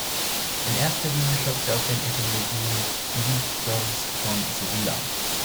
In erster Linie schöpft er aus den "Etymologien" Isidors von Sevilla.